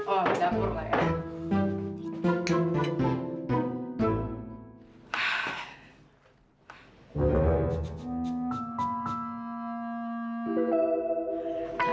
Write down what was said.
oh di dapur lah ya